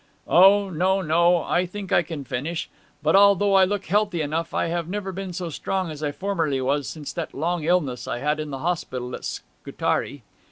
'O no, no, I think I can finish. But although I look healthy enough I have never been so strong as I formerly was, since that long illness I had in the hospital at Scutari.'